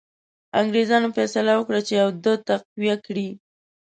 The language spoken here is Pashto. انګرېزانو فیصله وکړه چې اود تقویه کړي.